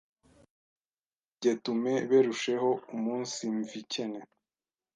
ibyo bigetume berusheho umunsimvikene.